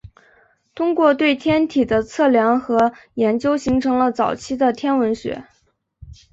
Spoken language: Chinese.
通过对天体的测量和研究形成了早期的天文学。